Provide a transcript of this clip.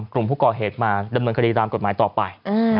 กลุ่มผู้ก่อเหตุมาดำเนินคดีตามกฎหมายต่อไป